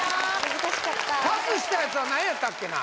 難しかったパスしたやつは何やったっけな？